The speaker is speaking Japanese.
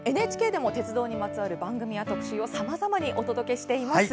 ＮＨＫでも鉄道にまつわる番組や特集をさまざまにお届けしています。